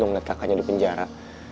ngeliat kakaknya di penjara